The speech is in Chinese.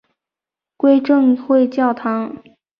归正会教堂。